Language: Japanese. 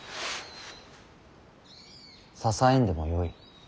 支えんでもよい。